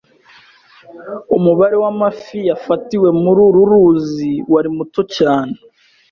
Umubare w'amafi yafatiwe muri uru ruzi wari muto cyane.